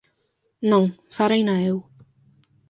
_Non, fareina eu.